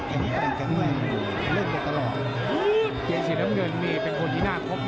เกงสี่น้ำเงินเกงสีหน้างมีบานคนที่น่าพบ